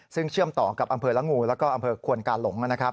ซึ่งเชื่อมต่อกับอำเภอละงูแล้วก็อำเภอควนกาหลง